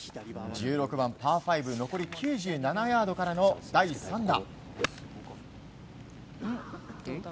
１６番、パー５残り９７ヤードからの第３打。